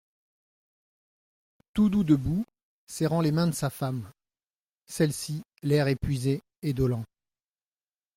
Toudoux debout, serrant les mains de sa femme ; celle-ci, l’air épuisé et dolent.